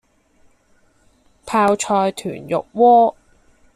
泡菜豚肉鍋